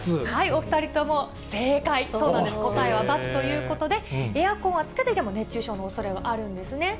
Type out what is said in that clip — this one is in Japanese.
お２人とも正解、そうなんです、答えは×ということで、エアコンはつけていても、熱中症のおそれはあるんですね。